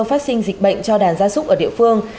phát sinh dịch bệnh cho đàn gia súc ở địa phương